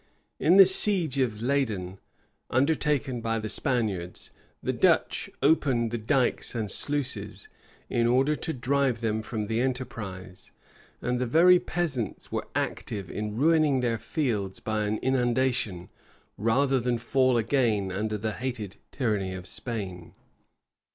In the siege of Leyden, under taken by the Spaniards, the Dutch opened the dikes and sluices, in order to drive them from the enterprise: and the very peasants were active in ruining their fields by an inundation, rather than fall again under the hated tyranny of Spain.